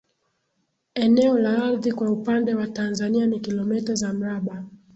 Eneo la ardhi kwa upande wa Tanzania ni kilometa za mraba